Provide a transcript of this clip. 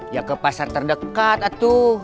ya ke pasar terdekat atau